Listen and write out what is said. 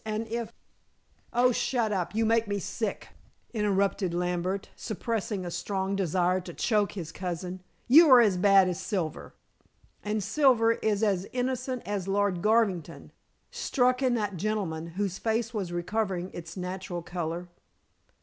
And if " "Oh, shut up! You make me sick," interrupted Lambert, suppressing a strong desire to choke his cousin. "You are as bad as Silver." "And Silver is as innocent as Lord Garvington," struck in that gentleman, whose face was recovering its natural color.